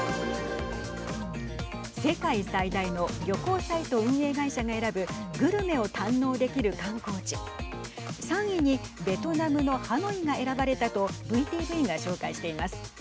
世界最大の旅行サイト運営会社が選ぶグルメを堪能できる観光地３位にベトナムのハノイが選ばれたとＶＴＶが紹介しています。